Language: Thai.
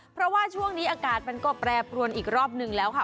เพราะว่าช่วงนี้อากาศมันก็แปรปรวนอีกรอบหนึ่งแล้วค่ะ